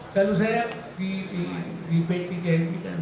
kalau saya di b tiga mp kan